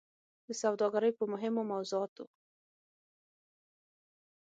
د سوداګرۍ په مهمو موضوعاتو